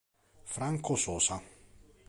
Franco Sosa